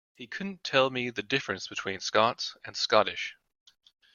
He couldn't tell me the difference between Scots and Scottish